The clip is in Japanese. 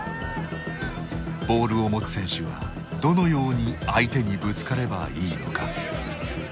ボールを持つ選手はどのように相手にぶつかればいいのか。